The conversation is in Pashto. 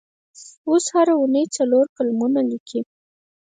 او هره اوونۍ څلور کالمونه لیکي.